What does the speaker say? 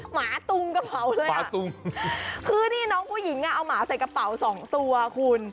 หมาตุ้งกระเป๋าเลยอะคือน้องผู้หญิงเอาหมาใส่กระเป๋า๒ตัวคุณ